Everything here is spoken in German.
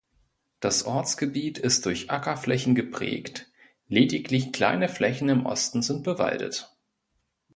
Das Ortsgebiet ist durch Ackerflächen geprägt, lediglich kleine Flächen im Osten sind bewaldet.